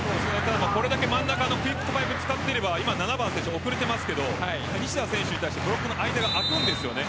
これだけ真ん中のクイックとパイプを使っていれば７番の選手、遅れているけど西田選手に対してブロックの間が空くんですよね。